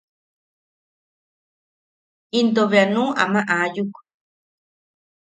Into bea nuu ama aayuk.